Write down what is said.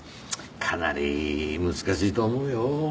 かなり難しいと思うよ。